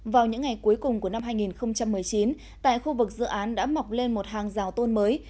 vào những ngày cuối cùng của năm hai nghìn một mươi chín tại khu vực dự án đã mọc lên một hàng rào tôn mới